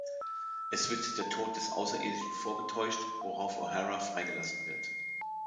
Es wird der Tod des Außerirdischen vorgetäuscht, worauf O’Hara freigelassen wird.